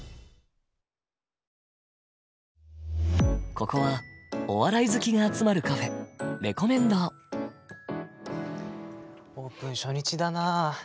ここはお笑い好きが集まるカフェ「れこめん堂」オープン初日だな。